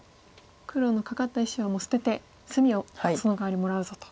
黒のカカった石はもう捨てて隅をそのかわりもらうぞと。